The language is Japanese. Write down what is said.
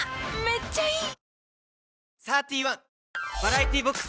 めっちゃいい！